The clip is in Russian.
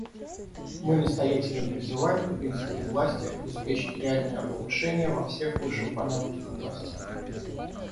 Мы настоятельно призываем кубинские власти обеспечить реальное улучшение во всех вышеупомянутых областях.